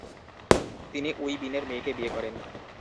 তিনি উই বিনের মেয়েকে বিয়ে করেন।